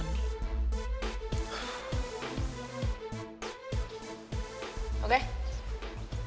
dan suatu saat lo pasti bisa dapetin raya